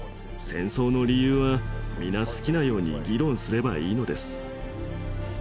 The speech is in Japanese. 戦争の理由は皆好きなように議論すればいいのです。